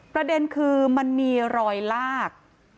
ประเด็นคือมันมีรอยลาก